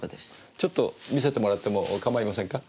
ちょっと見せてもらっても構いませんか？